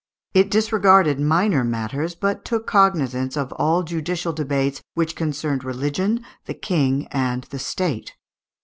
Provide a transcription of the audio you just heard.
It disregarded minor matters, but took cognizance of all judicial debates which concerned religion, the King, or the State.